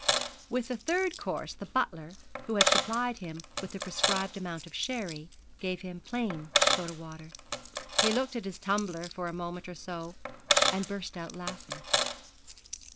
With the third course the butler, who had supplied him with the prescribed amount of sherry, gave him plain soda water. He looked at his tumbler for a moment or so, and burst out laughing.